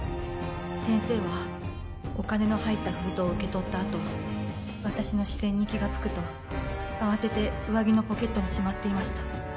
先生はお金の入った封筒を受け取ったあと私の視線に気がつくと慌てて上着のポケットにしまっていました